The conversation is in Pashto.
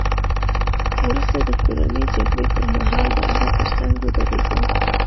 وروسته د کورنۍ جګړې پرمهال د هغه ترڅنګ ودرېدل